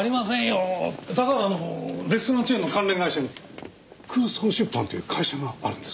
高原のレストランチェーンの関連会社に空想出版という会社があるんです。